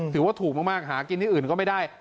ถือว่าถูกมากหากินที่อื่นก็ไม่ได้